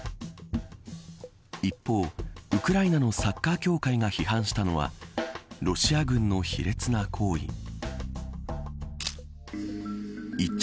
一方ウクライナのサッカー協会が批判したのはロシア軍の卑劣な行為。